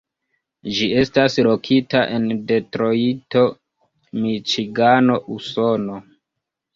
Ĝi estas lokita en Detrojto, Miĉigano, Usono.